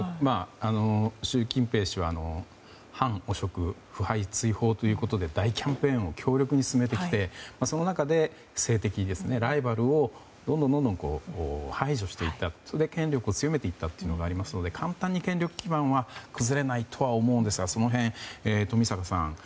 習近平氏は反汚職、腐敗追放ということで大キャンペーンを強力に進めてきてその中で、政敵、ライバルをどんどんと排除していって権力を強めていったことがありますので簡単に権力基盤は崩れないとは思うんですがその辺、冨坂さん